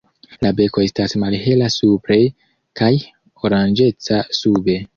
La beko estas malhela supre kaj oranĝeca sube.